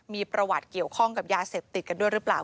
มีประวัติเกี่ยวข้องกับยาเสพติดกันด้วยหรือเปล่า